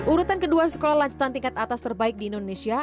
urutan kedua sekolah lanjutan tingkat atas terbaik di indonesia